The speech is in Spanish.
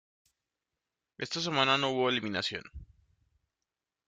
Esta semana no hubo eliminación.